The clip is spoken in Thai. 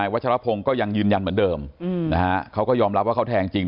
วัชรพงศ์ก็ยังยืนยันเหมือนเดิมนะฮะเขาก็ยอมรับว่าเขาแทงจริง